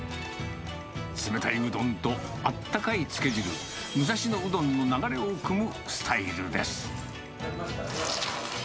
冷たいうどんとあったかいつけ汁、武蔵野うどんの流れをくむスタイルです。